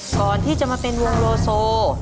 ก่อนที่จะมาเป็นวงโลโซ